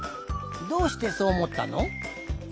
どうしてそうおもったの？